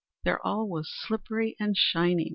There all was slippery and shining!